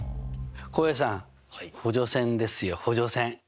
浩平さん補助線ですよ補助線！